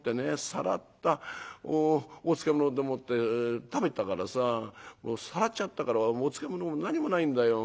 さらったお漬物でもって食べてたからささらっちゃったからお漬物も何もないんだよ。